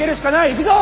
行くぞ！